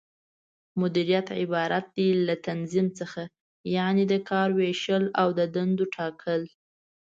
مديريت عبارت دى له تنظيم څخه، یعنې د کار وېشل او د دندو ټاکل